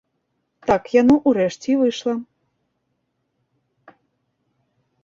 Так яно ўрэшце і выйшла.